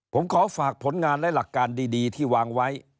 ผมขอฝากผลงานและหลักการดีที่วางไว้